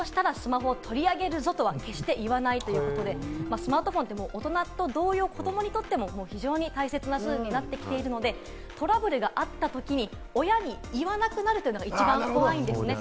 スマートフォンって、大人と同様、子供にとっても非常に大切なツールになってきているのでトラブルがあった時に、親に言わなくなるというのが一番怖いんですね。